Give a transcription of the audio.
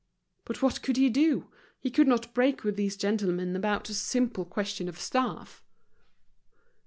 But what could he do? he could not break with these gentlemen about a simple question of staff.